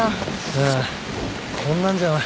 ああこんなんじゃ